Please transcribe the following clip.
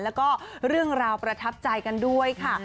แล้วก็เรื่องราวประทับใจกันด้วยค่ะ